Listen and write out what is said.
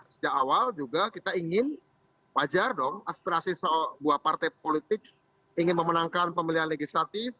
sejak awal juga kita ingin wajar dong aspirasi sebuah partai politik ingin memenangkan pemilihan legislatif